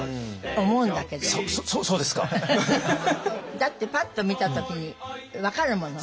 だってパッと見た時に分かるもの。